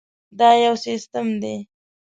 دا یو سیسټم دی.